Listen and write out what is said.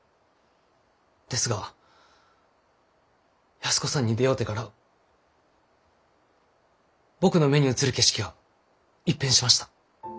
ですが安子さんに出会うてから僕の目に映る景色が一変しました。